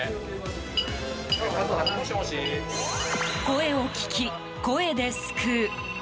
声を聞き、声で救う。